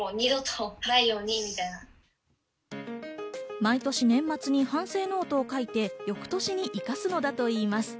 毎年、年末に反省ノートを書いて翌年に生かすのだといいます。